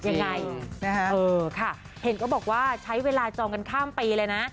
ยังไงนะฮะเออค่ะเห็นก็บอกว่าใช้เวลาจองกันข้ามปีเลยนะ